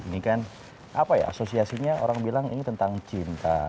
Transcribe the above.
ini kan apa ya asosiasinya orang bilang ini tentang cinta